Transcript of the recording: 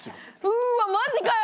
うわマジかよ。